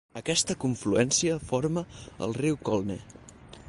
Aquesta confluència forma el riu Colne.